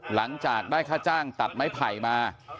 หลังจากได้ค่าจ้างตัดไม้ไผ่มา